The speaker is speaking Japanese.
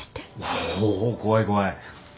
おお怖い怖い。